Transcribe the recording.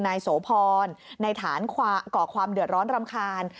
นายโสพรในฐานก่อความเดือดร้อนรำคาญ